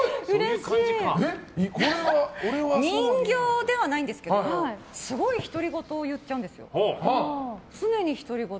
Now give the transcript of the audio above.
人形ではないんですけどすごい、独り言を言っちゃうんですよ。